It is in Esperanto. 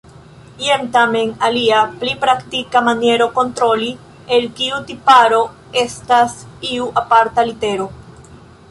Jen tamen alia, pli praktika, maniero kontroli, el kiu tiparo estas iu aparta litero.